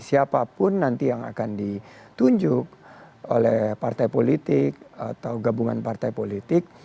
siapapun nanti yang akan ditunjuk oleh partai politik atau gabungan partai politik